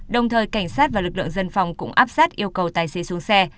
đồng thời cảnh sát và lực lượng dân phòng cũng áp sát yêu cầu tài xế xuống xe